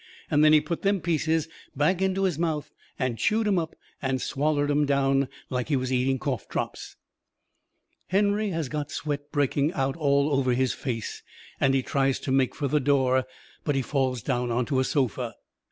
Then he put them pieces back into his mouth and chewed 'em up and swallered 'em down like he was eating cough drops. Henry has got sweat breaking out all over his face, and he tries to make fur the door, but he falls down onto a sofa.